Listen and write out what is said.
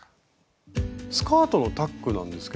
スカートのタックなんですけど。